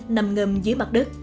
nằm ngầm dưới mặt đất